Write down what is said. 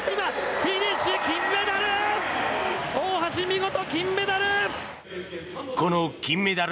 大橋、見事金メダル！